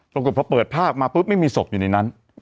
ปรากฏพอเปิดภาพมาปุ๊บไม่มีศพอยู่ในนั้น